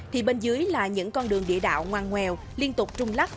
thì bên dưới là những con đường địa đạo ngoan ngoèo liên tục trung lắc